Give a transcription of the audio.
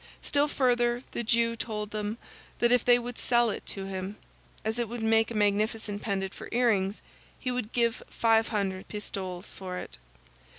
Still further, the Jew told them that if they would sell it to him, as it would make a magnificent pendant for earrings, he would give five hundred pistoles for it.